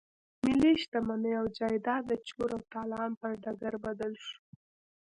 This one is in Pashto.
ملي شتمني او جايداد د چور او تالان پر ډګر بدل شو.